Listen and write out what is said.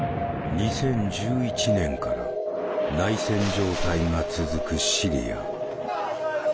２０１１年から内戦状態が続くシリア。